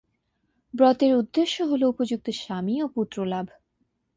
ব্রতের উদ্দেশ্য হল উপযুক্ত স্বামী ও পুত্র লাভ।